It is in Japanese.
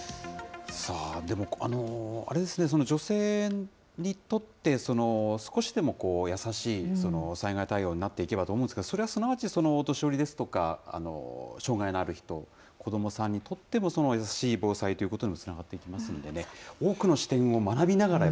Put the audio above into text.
あれですね、女性にとって、少しでも優しい災害対応になっていけばと思うんですが、それはすなわち、お年寄りですとか、障害のある人、子どもさんにとっても優しい防災ということにつながっていきますんでね、多くの視点を学びながら、